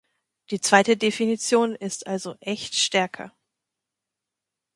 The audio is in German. Die zweite Definition ist also echt stärker.